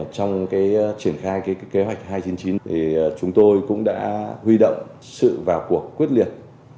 trong triển khai kế hoạch hai trăm chín mươi chín chúng tôi cũng đã huy động sự vào cuộc quyết liệt